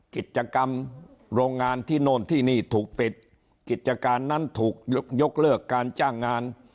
กิจกรรมโรงงานที่โน่นที่นี่ถูกปิดกิจการนั้นถูกยกเลิกการจ้างงาน